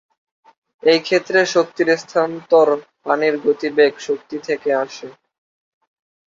এই ক্ষেত্রে শক্তির স্থানান্তর পানির গতিবেগ শক্তি থেকে আসে।